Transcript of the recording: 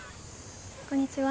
こんにちは。